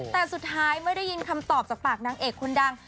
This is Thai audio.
แต่สุดท้ายไม่ได้ยินคำตอบจากปากนางเอกคนดัง